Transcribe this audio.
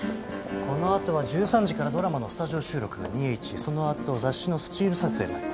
この後は１３時からドラマのスタジオ収録が２ｈその後雑誌のスチール撮影になります。